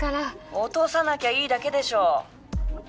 落とさなきゃいいだけでしょ！